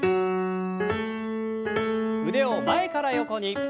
腕を前から横に。